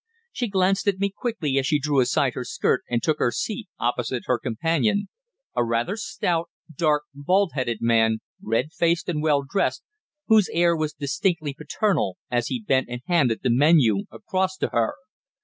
She glanced at me quickly as she drew aside her skirt and took her seat opposite her companion, a rather stout, dark, bald headed man, red faced and well dressed, whose air was distinctly paternal as he bent and handed the menu across to her.